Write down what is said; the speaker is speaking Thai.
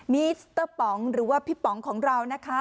มีสเตอร์ป๋องหรือว่าพี่ป๋องของเรานะคะ